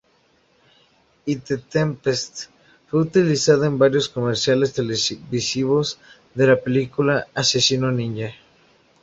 Y "The Tempest" fue utilizada en varios comerciales televisivos de la película Asesino Ninja.